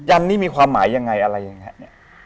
อันนี้มีความหมายยังไงอะไรยังไง